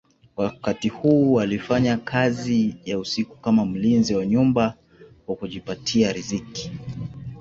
Wakati huu alifanya kazi ya usiku kama mlinzi wa nyumba kwa kujipatia riziki.